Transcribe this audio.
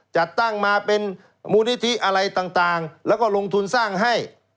จัดตั้งมาเป็นมูลนิธิอะไรต่างแล้วก็ลงทุนสร้างให้